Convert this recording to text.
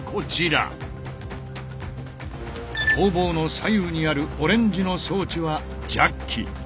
鋼棒の左右にあるオレンジの装置はジャッキ。